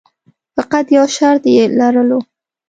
فقط یو شرط یې لرلو.